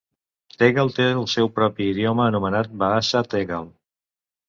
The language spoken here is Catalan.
Tegal té el seu propi idioma anomenat "Bahasa Tegal".